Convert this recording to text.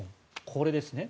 これですね。